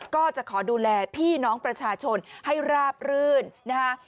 ก็จะขอดูแลพี่น้องประชาชนให้ราบรื่นนะคะ